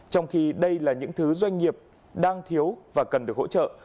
trong khi đây là những thứ doanh nghiệp đang thiếu và cần được hỗ trợ